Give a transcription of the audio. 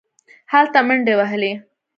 هلته منډې وهلې.